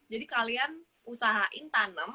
jadi kalian usahain tanem